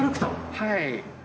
はい。